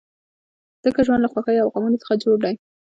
ځکه ژوند له خوښیو او غمو څخه جوړ دی.